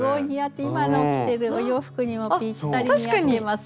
今の着てるお洋服にもぴったり似合ってますね。